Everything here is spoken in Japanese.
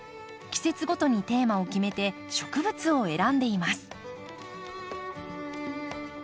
季節ごとにテーマを決めて植物を選んでいます。